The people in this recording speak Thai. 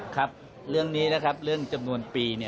ครับเรื่องนี้นะครับเรื่องจำนวนปี